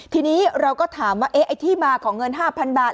ทีนี้เราก็ถามว่าไอ้ที่มาของเงิน๕๐๐๐บาท